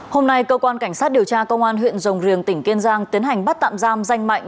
hôm nay cơ quan cảnh sát điều tra công an huyện rồng riềng tỉnh kiên giang tiến hành bắt tạm giam danh mạnh